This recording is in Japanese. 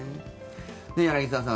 柳澤さん